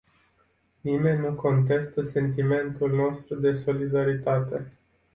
Nimeni nu contestă sentimentul nostru de solidaritate.